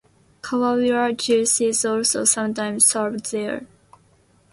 Karawila juice is also sometimes served there.